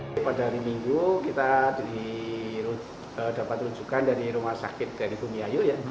pada hari minggu kita dapat rujukan dari rumah sakit dari bumiayu ya